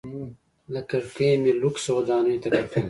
له کړکۍ مې لوکسو ودانیو ته کتل.